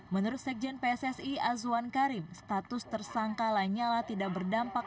menurut sekjen pssi azwan karim status tersangka lanyala tidak berdampak